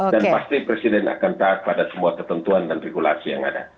dan pasti presiden akan taat pada semua ketentuan dan regulasi yang ada